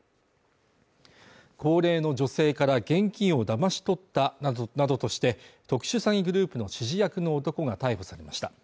高齢の女性から現金をだまし取ったなどとして特殊詐欺グループの指示役の男が逮捕されました。